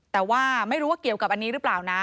แต่ว่าไม่รู้ว่าเกี่ยวกับอันนี้หรือเปล่านะ